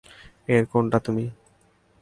এর কোনটা তুমি?